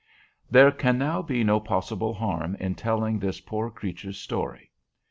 There can now be no possible harm in telling this poor creature's story.